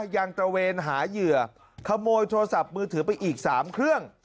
ตระเวนหาเหยื่อขโมยโทรศัพท์มือถือไปอีก๓เครื่อง